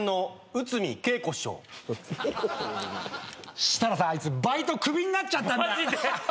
そしたらさあいつバイト首になっちゃったんだよ！